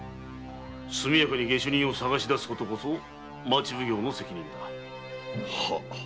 速やかに下手人を捜し出すことこそ町奉行の責任だ。